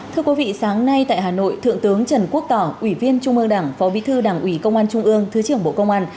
thưa quý vị sáng nay tại hà nội thượng tướng trần quốc tỏ ủy viên trung ương đảng phó bí thư đảng ủy công an trung ương thứ trưởng bộ công an